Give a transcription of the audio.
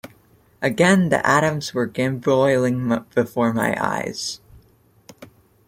Again the atoms were gamboling before my eyes.